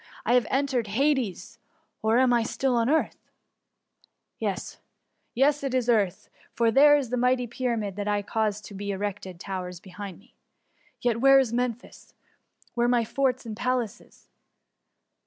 Have I entered Hades, or am I still on earth ?— ^yes, yes, it is. still the earth, for there the mighty Pyramid I caused to be erected towers behind me. Yet where is Memphis? where my forts and palaces?